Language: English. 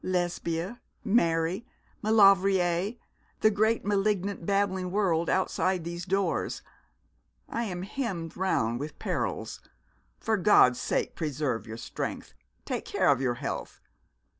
Lesbia, Mary, Maulevrier! the great, malignant, babbling world outside these doors. I am hemmed round with perils. For God's sake preserve your strength. Take care of your health.